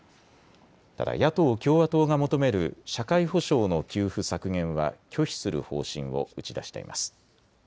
ただ野党・共和党が求める社会保障の給付削減は拒否する方針を打ち出しています。